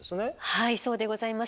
はいそうでございます。